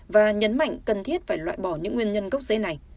và nhấn mạnh cần thiết phải loại bỏ những nguyên nhân gốc giấy này